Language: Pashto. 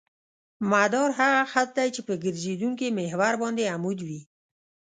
مدار هغه خط دی چې په ګرځېدونکي محور باندې عمود وي